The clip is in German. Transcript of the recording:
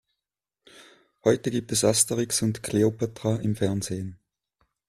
Heute gibt es Asterix und Kleopatra im Fernsehen.